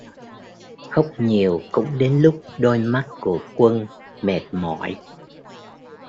Khóc nhiều cũng đến lúc đôi mắt của quân mệt mỏi